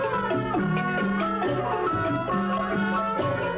จบแล้วตรงโปรดอกพี่กุญทองท่านราชธานแด่พระบรมวงศานุวงศ์